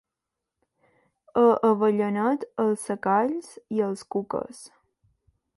A Avellanet, els secalls i els cuques.